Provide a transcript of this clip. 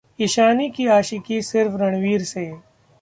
इशानी की आशिकी सिर्फ रणवीर से